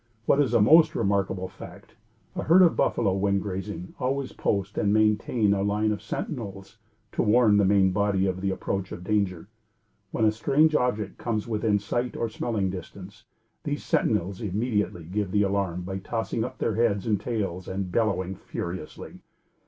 What is a most remarkable fact, a herd of buffalo, when grazing, always post and maintain a line of sentinels to warn the main body of the approach of danger. When a strange object comes within sight or smelling distance, these sentinels immediately give the alarm by tossing up their heads and tails and bellowing furiously.